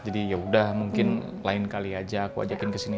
jadi yaudah mungkin lain kali aja aku ajakin kesini